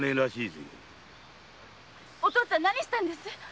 お父っつぁんは何をしていたんです？